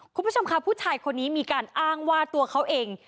คุณผู้ชมค่ะผู้ชายคนนี้มีการอ้างว่าตัวเขาเอง